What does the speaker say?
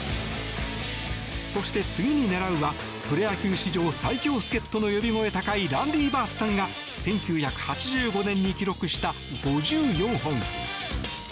そして、次に狙うはプロ野球史上最強助っ人の呼び声高いランディ・バースさんが１９８５年に記録した５４本。